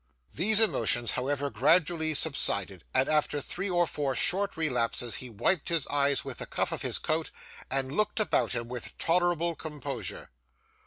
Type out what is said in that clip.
These emotions, however, gradually subsided, and after three or four short relapses he wiped his eyes with the cuff of his coat, and looked about him with tolerable composure.